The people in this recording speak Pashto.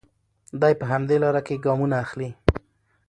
دی په همدې لاره کې ګامونه اخلي.